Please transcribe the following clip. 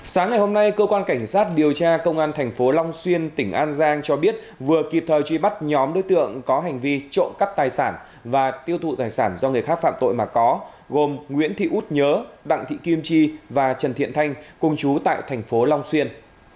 sáng ngày hôm nay cơ quan cảnh sát điều tra công an thành phố long xuyên tỉnh an giang cho biết vừa kịp thời truy bắt nhóm đối tượng có hành vi trộm cắp tài sản và tiêu thụ tài sản do người khác phạm tội mà có gồm nguyễn thị út nhớ đặng thị kim chi và trần thiện thanh cùng chú tại thành phố long xuyên